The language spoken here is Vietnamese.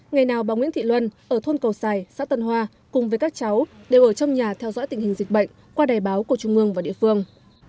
ngày nào bà nguyễn thị luân ở thôn cầu sài xã tân hoa cùng với các cháu đều ở trong nhà theo dõi tình hình dịch bệnh qua đài báo của trung ương và địa phương